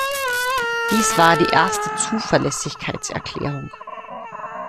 Dies war die erste Zuverlässigkeitserklärung.